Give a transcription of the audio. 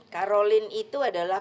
karolin itu adalah